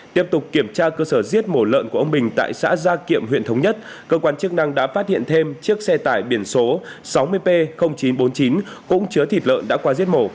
tiếp tục kiểm tra cơ sở giết mổ lợn của ông bình tại xã gia kiệm huyện thống nhất cơ quan chức năng đã phát hiện thêm chiếc xe tải biển số sáu mươi p chín trăm bốn mươi chín cũng chứa thịt lợn đã qua giết mổ